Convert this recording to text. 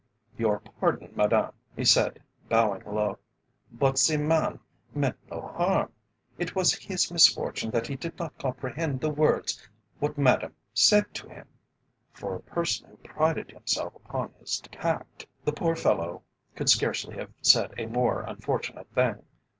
"Your pardon, Madame," he said, bowing low, "but ze man meant no harm. It was his misfortune that he did not comprehend the words what Madame said to him." For a person who prided himself upon his tact, the poor fellow could scarcely have said a more unfortunate thing.